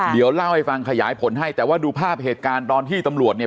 เดี๋ยวเล่าให้ฟังขยายผลให้แต่ว่าดูภาพเหตุการณ์ตอนที่ตำรวจเนี่ย